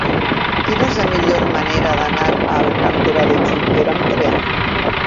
Quina és la millor manera d'anar a Alcàntera de Xúquer amb tren?